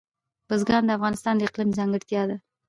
بزګان د افغانستان د اقلیم ځانګړتیا ده.